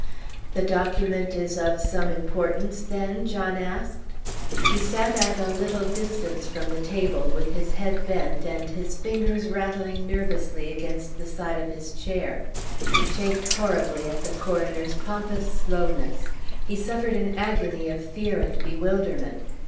"The document is of some importance, then?" John asked. He sat at a little distance from the table, with his head bent, and his fingers rattling nervously against the side of his chair. He chafed horribly at the coroner's pompous slowness. He suffered an agony of fear and bewilderment.